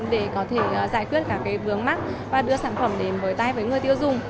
để có thể giải quyết cả cái vướng mắc và đưa sản phẩm đến với người tiêu dùng